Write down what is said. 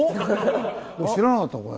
知らなかったこれ。